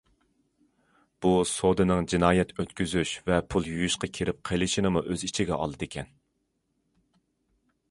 بۇ سودىنىڭ جىنايەت ئۆتكۈزۈش ۋە پۇل يۇيۇشقا كىرىپ قېلىشىنىمۇ ئۆز ئىچىگە ئالىدىكەن.